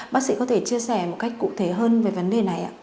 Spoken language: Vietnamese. bác sĩ có thể chia sẻ một cách cụ thể hơn về vấn đề này ạ